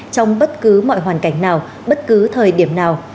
trong bất cứ mọi hoàn cảnh nào bất cứ thời điểm nào